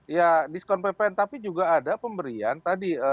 ya diskon ppn tapi juga ada pemberian tadi